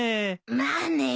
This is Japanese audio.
まあね。